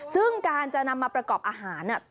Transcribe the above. ซึ่งการจะนำมาประกอบอาหาร